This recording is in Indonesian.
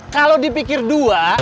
kalau dipikir dua